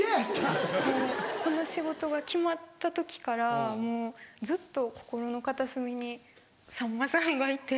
この仕事が決まった時からもうずっと心の片隅にさんまさんがいて。